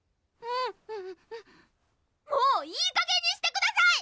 もういいかげんにしてください！